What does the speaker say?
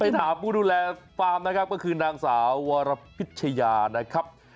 เป็นน้ำภูดุแลฟาร์มแนะครับก็คือนางสาววารพิชญานะครับ